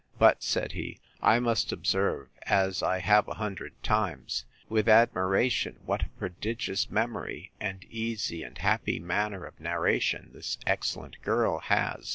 But, said he, I must observe, as I have a hundred times, with admiration, what a prodigious memory, and easy and happy manner of narration, this excellent girl has!